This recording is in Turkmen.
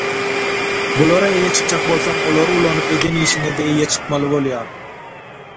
Bulara eýe çykjak bolsaň olary ulanyp eden işiňe-de eýe çykmaly bolýar.